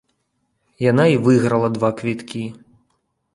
Яна і выйграла два квіткі.